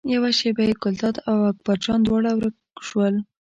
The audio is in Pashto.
یوه شېبه کې ګلداد او اکبر جان دواړه ورک شول.